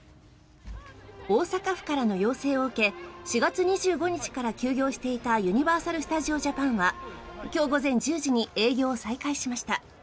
大阪府からの要請を受け４月２５日から休業していたユニバーサル・スタジオ・ジャパンは今日午前１０時に営業を再開しました。